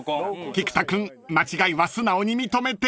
［菊田君間違いは素直に認めて！］